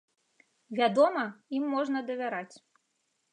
Вядома, ім можна давяраць.